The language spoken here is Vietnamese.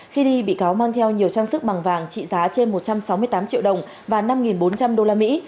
khi đi bị cáo mang theo nhiều trang sức bằng vàng trị giá trên một trăm sáu mươi tám triệu đồng và năm bốn trăm linh đô la mỹ